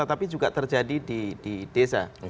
tapi juga terjadi di desa